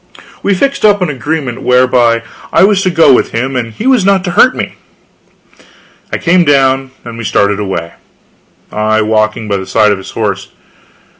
We fixed up an agreement whereby I was to go with him and he was not to hurt me. I came down, and we started away, I walking by the side of his horse.